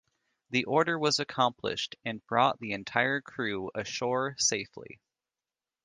The order was accomplished and brought the entire crew ashore safely.